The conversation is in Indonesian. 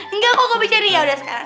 engga kok gue bisa nih ya udah sekarang